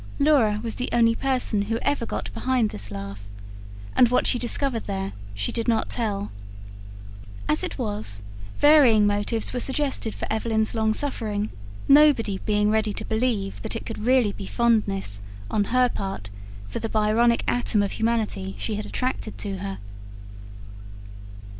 Laura was the only person who ever got behind this laugh, and what she discovered there, she did not tell. As it was, varying motives were suggested for Evelyn's long suffering, nobody being ready to believe that it could really be fondness, on her part, for the Byronic atom of humanity she had attracted to her.